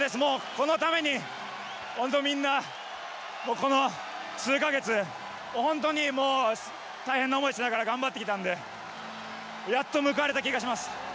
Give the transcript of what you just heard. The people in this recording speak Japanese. このためにみんな、この数か月本当に大変な思いをしながら頑張ってきたのでやっと報われた気がします。